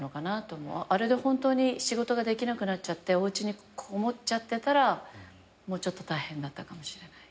あれで本当に仕事ができなくなっちゃっておうちにこもっちゃってたらもうちょっと大変だったかも。